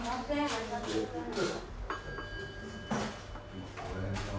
ありがとうございます。